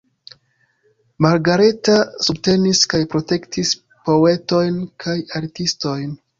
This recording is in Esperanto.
Margareta subtenis kaj protektis poetojn kaj artistojn.